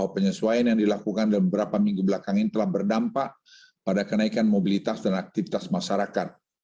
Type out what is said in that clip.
penyesuaian yang dilakukan beberapa minggu belakang ini telah berdampak pada kenaikan mobilitas dan aktivitas masyarakat